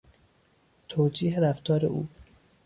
توجیه رفتار او